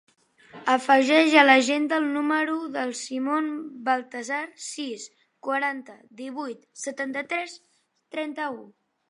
Afegeix a l'agenda el número del Simon Baltasar: sis, quaranta, divuit, setanta-tres, trenta-u.